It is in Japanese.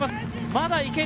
まだ行ける！